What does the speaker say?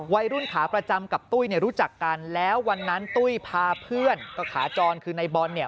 ขาประจำกับตุ้ยเนี่ยรู้จักกันแล้ววันนั้นตุ้ยพาเพื่อนก็ขาจรคือในบอลเนี่ย